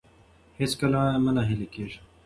هیڅکله مه نه هیلي کیږئ.